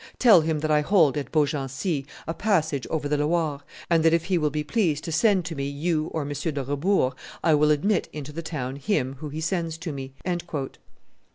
Tell him that I hold, at Beaugency, a passage over the Loire, and that if he will be pleased to send to me you or M. de Rebours, I will admit into the town him whom he sends to me."